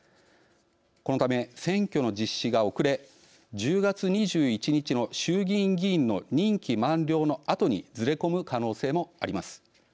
このため選挙の実施が遅れ１０月２１日の衆議院議員の任期満了のあとにずれ込む可能性もあります。